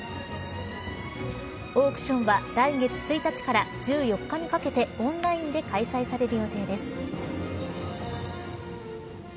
オークションは来月１日から１４日にかけてオンラインで開催される予定です。